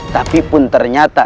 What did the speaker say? tapi pun ternyata